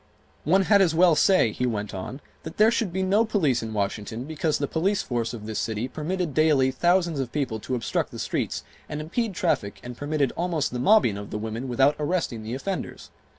"One had as well say," he went on, "that there should be no police in Washington because the police force of this city permitted daily thousands of people to obstruct the streets and impede traffic and permitted almost the mobbing of the women without arresting the offenders.